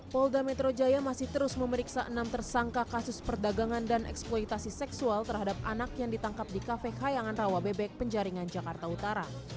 polda metro jaya masih terus memeriksa enam tersangka kasus perdagangan dan eksploitasi seksual terhadap anak yang ditangkap di kafe kayangan rawa bebek penjaringan jakarta utara